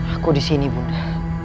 aku di sini ibunda